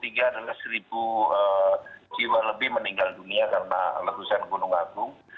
bahwa tahun seribu sembilan ratus enam puluh tiga adalah seribu jiwa lebih meninggal dunia karena letusan gunung agung